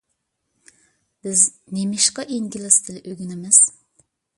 بىز نېمىشقا ئىنگلىز تىلى ئۆگىنىمىز؟